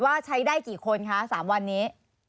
ว่าใช้ได้กี่คนครับสามวันนี้